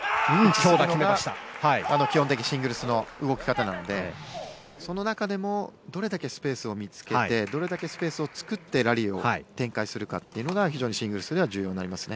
それが基本的なシングルスの動き方なのでその中でもどれだけスペースを見つけてどれだけスペースを作ってラリーを展開するかがシングルスでは重要になりますね。